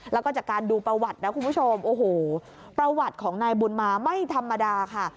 แล้วก็จากการดูประวัตินะคุณผู้ชมโอ้โหประวัติของนายบุญมาไม่ธรรมดาค่ะ